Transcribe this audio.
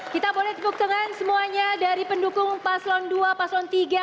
kita boleh tepuk tangan semuanya dari pendukung paslon dua paslon tiga